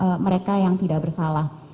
untuk mereka yang tidak bersalah